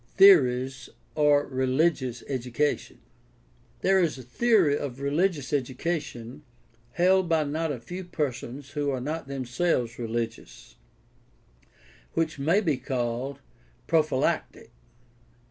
THEORIES or RELIGIOUS EDUCATION There is a theory of religious education, held by not a few persons who are not themselves rehgious, which may be called prophylactic.